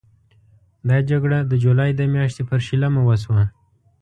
دا جګړه د جولای د میاشتې پر شلمه وشوه.